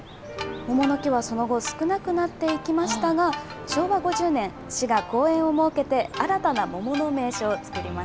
桃の木はその後、少なくなっていきましたが、昭和５０年、市が公園を設けて、新たな桃の名所を作